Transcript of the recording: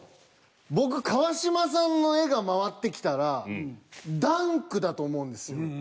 僕川島さんの絵が回ってきたらダンクだと思うんですよ。